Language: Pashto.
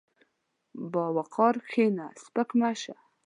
په وقار کښېنه، سپک مه شه.